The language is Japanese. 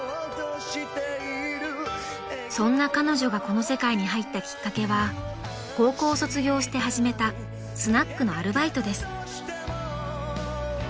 ［そんな彼女がこの世界に入ったきっかけは高校を卒業して始めたスナックのアルバイトです］